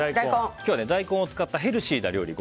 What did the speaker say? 今日は大根を使ったヘルシーな料理を